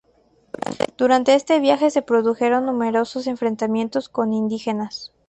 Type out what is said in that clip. Durante este viaje se produjeron numerosos enfrentamientos con indígenas.